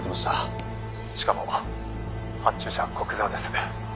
「しかも発注者は古久沢です」